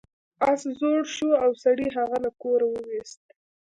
اس زوړ شو او سړي هغه له کوره وویست.